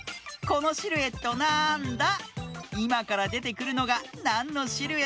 このシルエットなんだ？